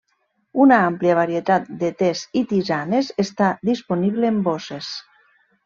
Una àmplia varietat de tes i tisanes està disponible en bosses.